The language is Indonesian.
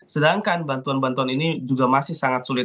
sedangkan bantuan bantuan ini juga masih sangat sulit